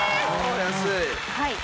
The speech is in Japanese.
安い。